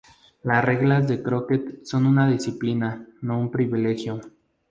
Las reglas de Crocker son una disciplina, no un privilegio.